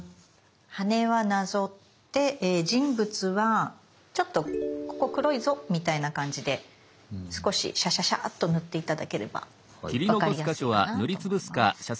羽はなぞって人物はちょっとここ黒いぞみたいな感じで少しシャシャシャッと塗って頂ければ分かりやすいかなと思います。